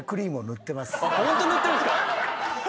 ホント塗ってるんすか？